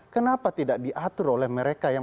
kenapa tidak diatur oleh mereka yang